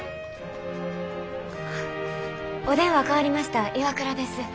お電話代わりました岩倉です。